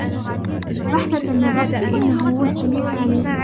رحمة من ربك إنه هو السميع العليم